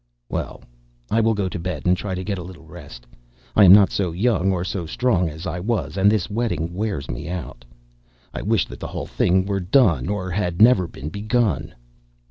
Well, I will go to bed and try to get a little rest. I am not so young or so strong as I was, and this wedding wears me out. I wish that the whole thing were done or had never been begun.